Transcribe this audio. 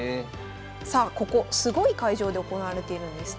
さあここすごい会場で行われているんです。